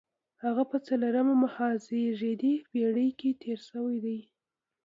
هغه په څلورمه مخزېږدي پېړۍ کې تېر شوی دی.